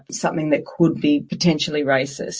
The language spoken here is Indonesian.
sesuatu yang bisa menjadi rasistik